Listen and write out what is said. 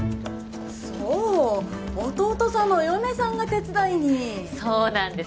そう弟さんのお嫁さんが手伝いにそうなんです